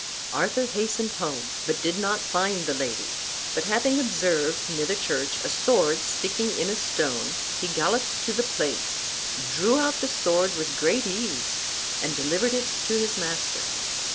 Arthur hastened home, but did not find the lady; but having observed near the church a sword, sticking in a stone, he galloped to the place, drew out the sword with great ease, and delivered it to his master.